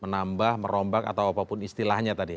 menambah merombak atau apapun istilahnya tadi